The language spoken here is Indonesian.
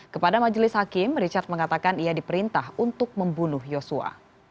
kepada majelis hakim richard mengatakan ia diperintah untuk membunuh yosua